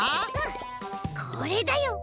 これだよ。